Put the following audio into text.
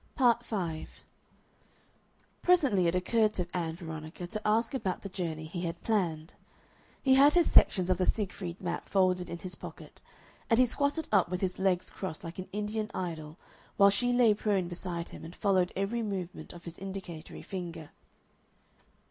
Part 5 Presently it occurred to Ann Veronica to ask about the journey he had planned. He had his sections of the Siegfried map folded in his pocket, and he squatted up with his legs crossed like an Indian idol while she lay prone beside him and followed every movement of his indicatory finger.